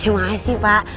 ya masih pak